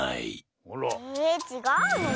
えちがうの？